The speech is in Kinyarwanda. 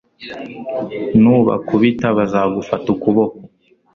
nubakubita bazagufata ukuboko